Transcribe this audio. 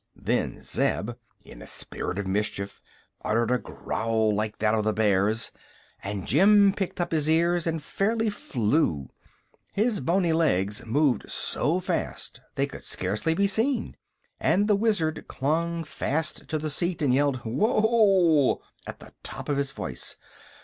Then Zeb, in a spirit of mischief, uttered a growl like that of the bears, and Jim pricked up his ears and fairly flew. His boney legs moved so fast they could scarcely be seen, and the Wizard clung fast to the seat and yelled "Whoa!" at the top of his voice.